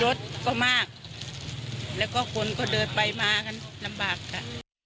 รถก็มากแล้วก็คนก็เดินไปมากันลำบากค่ะ